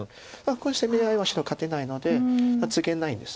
この攻め合いは白勝てないのでツゲないんです。